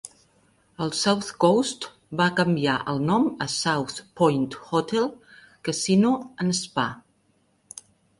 El South Coast va canviar el nom a South Point Hotel, Casino and Spa.